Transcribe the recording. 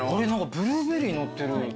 ブルーベリーのってる。